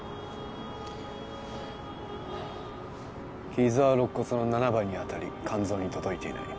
傷は肋骨の７番に当たり肝臓に届いていない